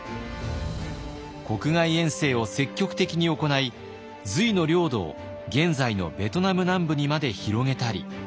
国外遠征を積極的に行い隋の領土を現在のベトナム南部にまで広げたり。